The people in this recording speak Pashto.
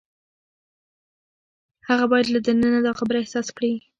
هغه باید له دننه دا خبره احساس کړي.